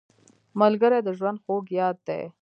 ملګری د ژوند خوږ یاد دی